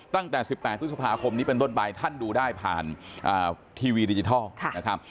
ตั้งแต่๑๘พฤษภาคมนี้เป็นต้นไปท่านดูได้ผ่านทีวีดิจิทัลนะครับ